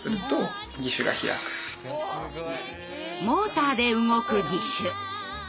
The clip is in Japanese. モーターで動く義手。